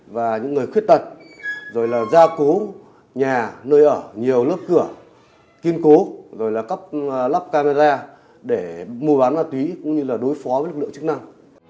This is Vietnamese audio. và những người khuyết tật rồi là gia cố nhà nơi ở nhiều lớp cửa kiên cố rồi là cấp lắp camera để mua bán ma túy cũng như là đối phó với lực lượng chức năng